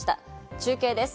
中継です。